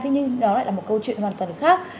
thế nhưng đó lại là một câu chuyện hoàn toàn khác